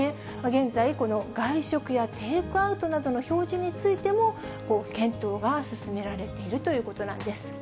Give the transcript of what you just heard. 現在、外食やテイクアウトなどの表示についても、検討が進められているということなんです。